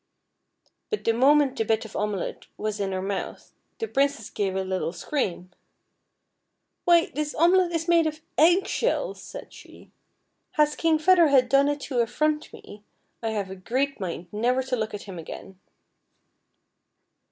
But the moment the bit of omelet was in her mouth, the Princess gave a little scream. " Wh}', this omelet is made of egg shells !" said she. FEATHER HEAD. 235 'Mlas King Feather Head done it to affront nic ? I have a great mind never to look at him again."